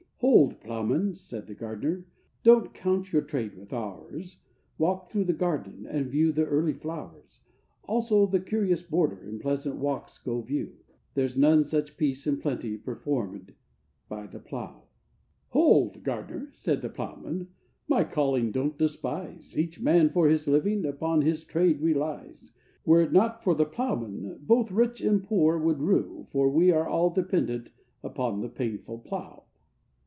'Hold! ploughman,' said the gardener, 'don't count your trade with ours, Walk through the garden, and view the early flowers; Also the curious border and pleasant walks go view,— There's none such peace and plenty performèd by the plough!' 'Hold! gardener,' said the ploughman, 'my calling don't despise, Each man for his living upon his trade relies; Were it not for the ploughman, both rich and poor would rue, For we are all dependent upon the painful plough.